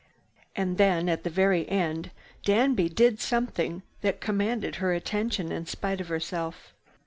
And then, at the very end, Danby did something that commanded her attention in spite of herself.